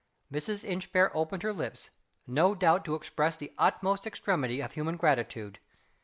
Mrs. Inchbare opened her lips no doubt to express the utmost extremity of human gratitude.